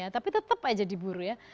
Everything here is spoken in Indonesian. tapi tetap saja diburu ya